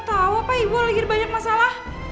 bagaimana ibu lagi ada banyak masalah